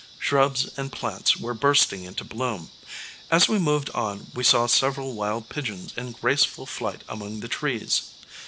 Shrubs and plants were bursting into bloom. As we moved on we saw several wild pigeons in graceful flight among the trees.